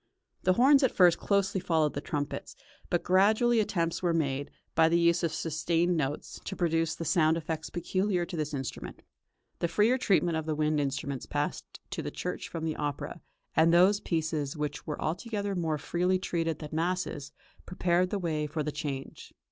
The horns at first closely followed the trumpets, but gradually attempts were made, by the use of sustained notes, to produce the sound effects peculiar to this instrument. The freer treatment of the wind instruments passed to the church from the opera, and those pieces which were altogether more freely treated than masses, prepared the way for the change.